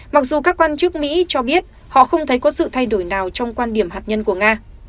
mặc dù các quan chức mỹ cho biết họ không thấy có sự thay đổi nào trong quan điểm hạt nhân của nga